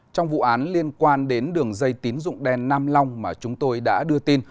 trong vụ án liên quan đến đường dây tín dụng đen nam long mà chúng tôi đã đưa tin